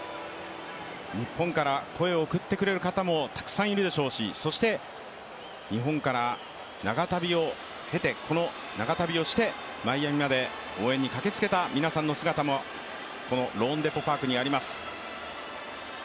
日本から声を送ってくれる方もたくさんいるでしょうしそして日本から長旅をしてマイアミまで応援に駆けつけた皆さんの姿もこのローンデポ・パークにあります